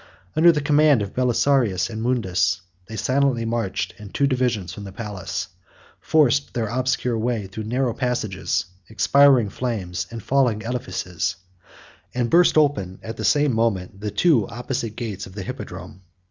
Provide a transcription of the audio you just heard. Under the command of Belisarius and Mundus, they silently marched in two divisions from the palace, forced their obscure way through narrow passages, expiring flames, and falling edifices, and burst open at the same moment the two opposite gates of the hippodrome.